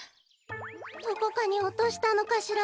どこかにおとしたのかしら？